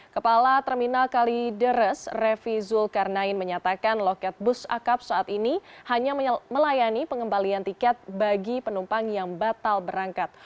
kepala terminal kalideres revi zulkarnain menyatakan loket bus akap saat ini hanya melayani pengembalian tiket bagi penumpang yang batal berangkat